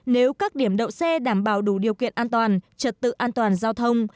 nếu các điểm đậu xe đảm bảo đủ điều kiện an toàn trật tự an toàn giao thông